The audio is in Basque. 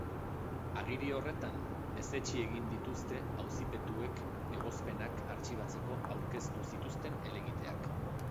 Agiri horretan, ezetsi egin dituzte auzipetuek egozpenak artxibatzeko aurkeztu zituzten helegiteak.